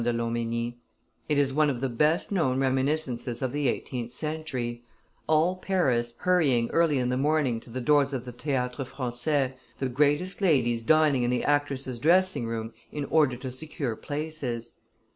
de Lomenie. "It is one of the best known reminiscences of the eighteenth century; all Paris hurrying early in the morning to the doors of the Theatre Francais, the greatest ladies dining in the actresses' dressing room in order to secure places."